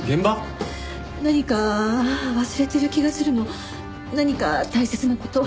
何か忘れてる気がするの何か大切な事。